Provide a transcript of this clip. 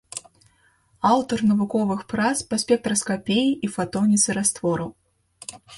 Аўтар навуковых прац па спектраскапіі і фатоніцы раствораў.